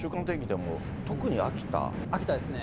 秋田ですね。